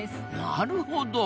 なるほど。